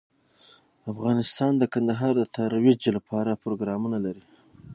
افغانستان د کندهار د ترویج لپاره پروګرامونه لري.